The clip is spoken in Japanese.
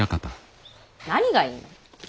何がいいの。